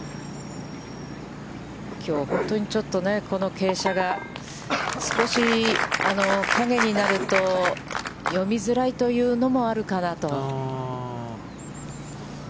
きょう本当にちょっと、この傾斜が少し陰になると読みづらいというのもあるかなと。